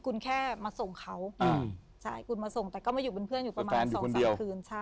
คุณแค่มาส่งเขาแต่ก็มาอยู่เป็นเพื่อนอยู่ประมาณ๒๓คืน